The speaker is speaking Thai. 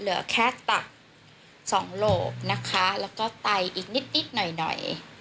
เหลือแค่ตะสองโหลบนะคะแล้วก็ไตอีกนิดหน่อย